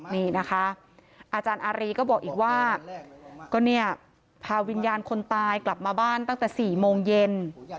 นี่นะคะอาจารย์อารีก็บอกอีกว่าก็เนี่ยพาวิญญาณคนตายกลับมาบ้านตั้งแต่๔โมงเย็น